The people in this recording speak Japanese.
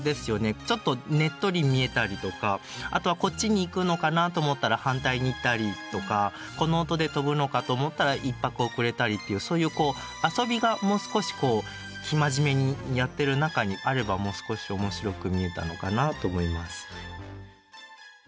ちょっとねっとり見えたりとかあとはこっちに行くのかなと思ったら反対に行ったりとかこの音で跳ぶのかと思ったら１拍遅れたりっていうそういう遊びがもう少し生真面目にやってる中にあればもう少し面白く見えたのかなと思います。